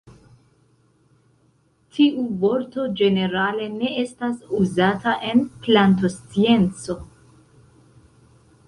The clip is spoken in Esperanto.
Tiu vorto ĝenerale ne estas uzata en plantoscienco.